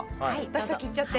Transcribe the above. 私先いっちゃって。